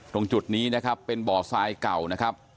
ตรงจุดนี้นะครับเป็นบ่อทรายเก่านะครับ